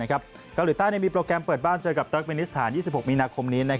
เกาหลีใต้มีโปรแกรมเปิดบ้านเจอกับเติร์กมินิสถาน๒๖มีนาคมนี้